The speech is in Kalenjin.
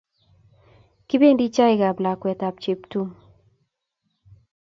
Kipendi chaik ap lakwet ap Cheptum